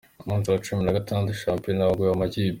Umunsi wa cumi na gatandatu wa shampiyona wagoye amakipe